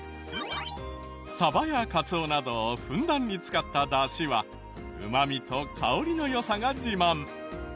サバやカツオなどをふんだんに使ったダシはうまみと香りの良さが自慢。